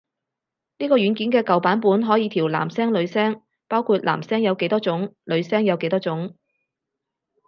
呢個軟件嘅舊版本可以調男聲女聲，包括男聲有幾多種女聲有幾多種